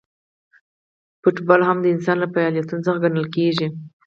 فوټبال هم د انسان له فعالیتونو څخه ګڼل کیږي.